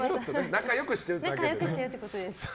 仲良くしてるってことですね。